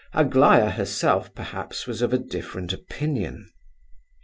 Aglaya herself perhaps was of a different opinion.